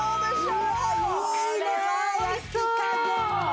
うわいいね焼き加減も。